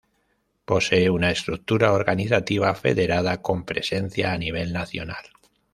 Posee una estructura organizativa federada, con presencia a nivel nacional.